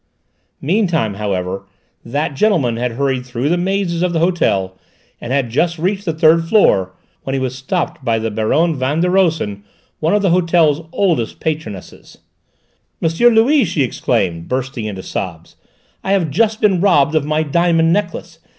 Meantime, however, that gentleman had hurried through the mazes of the hotel, and had just reached the third floor when he was stopped by the Baronne Van den Rosen, one of the hotel's oldest patronesses. "M. Louis!" she exclaimed, bursting into sobs. "I have just been robbed of my diamond necklace.